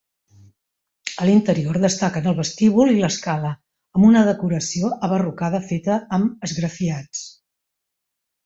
A l'interior destaquen el vestíbul i l'escala amb una decoració abarrocada feta amb esgrafiats.